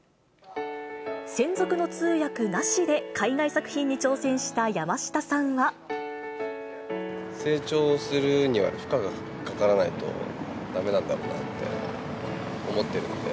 専属の通訳なしで海外作品に挑戦成長するには、負荷がかからないとだめなんだろうなって思ってるので。